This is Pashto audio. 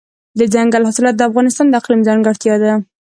دځنګل حاصلات د افغانستان د اقلیم ځانګړتیا ده.